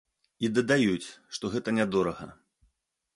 І дадаюць, што гэта нядорага.